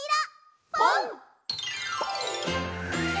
「ぽん」！